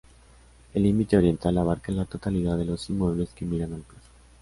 El límite oriental abarca la totalidad de los inmuebles que miran a la Plaza.